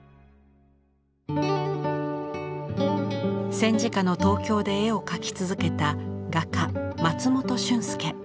戦時下の東京で絵を描き続けた画家松本竣介。